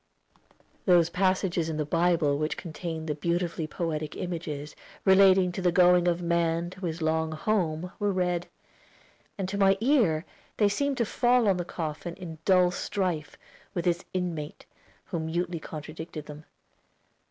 Those passages in the Bible which contain the beautifully poetic images relating to the going of man to his long home were read, and to my ear they seemed to fall on the coffin in dull strife with its inmate, who mutely contradicted them.